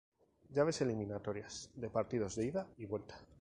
Llaves eliminatorias de partidos de ida y vuelta.